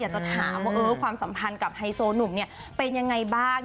จะถามว่าความสัมพันธ์กับไฮโซหนุ่มเนี่ยเป็นยังไงบ้าง